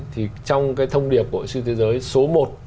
thì trong cái thông điệp của siêu thế giới số một